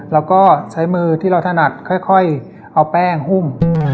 แล้วก็ใช้มือที่เราถนัดค่อยเอาแป้งหุ้ม